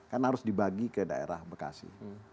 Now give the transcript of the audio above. kan harus dibagi ke daerah bekasi